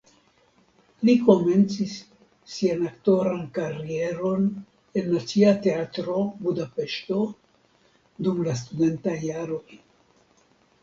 Li komencis sian aktoran karieron en Nacia Teatro (Budapeŝto) jam dum la studentaj jaroj.